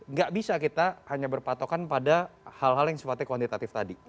nggak bisa kita hanya berpatokan pada hal hal yang sifatnya kuantitatif tadi